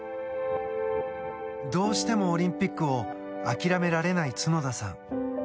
どうしてもオリンピックを諦められない角田さん。